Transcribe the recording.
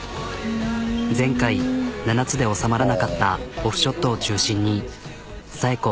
前回７つで収まらなかったオフショットを中心に紗栄子